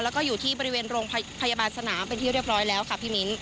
แล้วก็อยู่ที่บริเวณโรงพยาบาลสนามเป็นที่เรียบร้อยแล้วค่ะพี่มิ้น